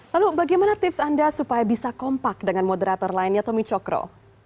lalu bagaimana tips anda supaya bisa kompak dengan moderator lainnya tommy cokro